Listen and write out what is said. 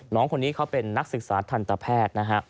น้องคนนี้เขาเป็นนักศึกษาธรรมแพทย์